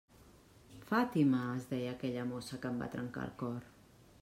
Fàtima, es deia aquella mossa que em va trencar el cor.